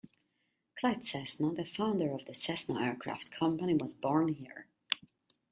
Clyde Cessna, the founder of the Cessna Aircraft Company, was born here.